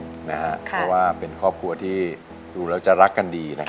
เพราะเป็นครอบครัวที่รู้แล้วจะรักกันดีนะครับ